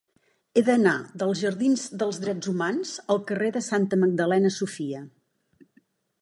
He d'anar dels jardins dels Drets Humans al carrer de Santa Magdalena Sofia.